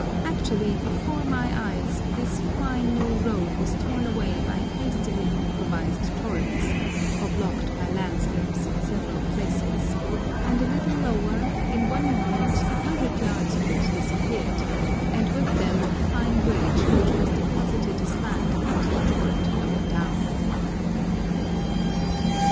Actually, before my eyes, this fine new road was torn away by hastily improvised torrents, or blocked by landslips in several places, and a little lower, in one moment, a hundred yards of it disappeared, and with them a fine bridge, which was deposited aslant across the torrent lower down.